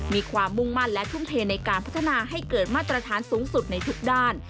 มีความมุ่งมั่นและทุ่มเทในการพัฒนาให้เกิดมาตรฐานสูงสุดในทุกด้าน